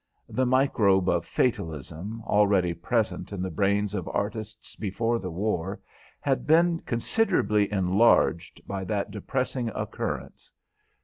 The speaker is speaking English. The microbe of fatalism, already present in the brains of artists before the war, had been considerably enlarged by that depressing occurrence.